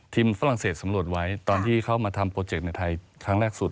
ฝรั่งเศสสำรวจไว้ตอนที่เข้ามาทำโปรเจกต์ในไทยครั้งแรกสุด